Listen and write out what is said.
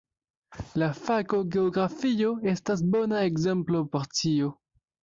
La fako geografio estas bona ekzemplo por tio.